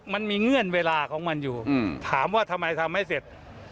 เงื่อนเวลาของมันอยู่ถามว่าทำไมทำไม่เสร็จ